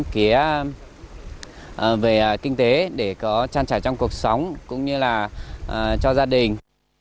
phía về kinh tế để có trang trải trong cuộc sống cũng như là cho gia đình